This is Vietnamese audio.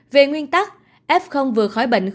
về nguyên tắc f vừa khỏi bệnh không có tiêm vaccine